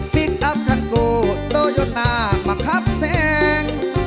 ฟิกอัพคันโกทโตโยตามาคับแทง